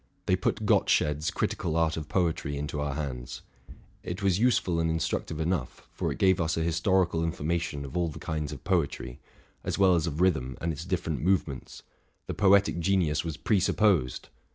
They put Gottsched's '' Critical Art of Poetry'' into our hands; it was useful and instructive enough, for it gave us a historical information of all the kinds of poetry, as well as of rhythm and its different movements: the poetic genius was presup posed!